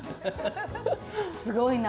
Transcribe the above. すごいな。